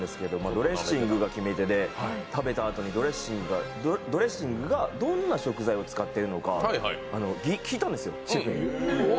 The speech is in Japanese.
ドレッシングが決め手でドレッシングがどんな食材を使っているのか聞いたんですよ、シェフに。